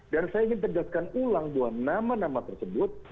dan saya ingin tegaskan ulang bahwa nama nama tersebut